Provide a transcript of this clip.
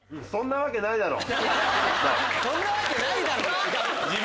「そんなわけないだろ」も違う。